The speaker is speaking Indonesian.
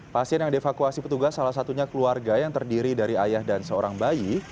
pasien yang dievakuasi petugas salah satunya keluarga yang terdiri dari ayah dan seorang bayi